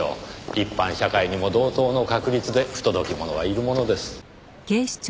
一般社会にも同等の確率で不届き者はいるものです。